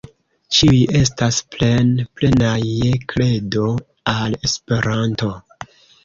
Ĉiuj estas plen-plenaj je kredo al Esperanto.